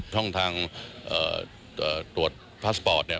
ช่องทางตรวจพาสปอร์ตเนี่ย